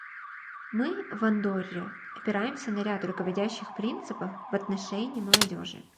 Мы, в Андорре, опираемся на ряд руководящих принципов в отношении молодежи.